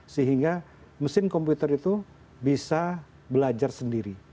sehingga mesin komputer itu bisa belajar sendiri